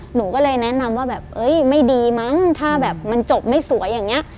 หนูก็เลยแนะนำว่าแบบเอ้ยไม่ดีมั้งถ้าแบบมันจบไม่สวยอย่างนี้